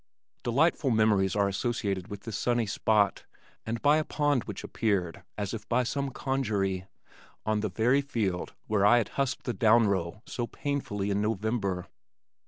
Delightful memories are associated with this sunny spot and with a pond which appeared as if by some conjury, on the very field where I had husked the down row so painfully in November.